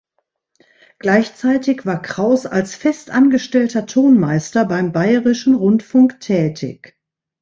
Gleichzeitig war Kraus als fest angestellter Tonmeister beim Bayerischen Rundfunk tätig.